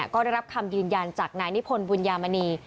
ก็ได้รับคำยืนยันจากนายนิพนธบุญยามณี